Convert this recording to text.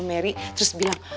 merry terus bilang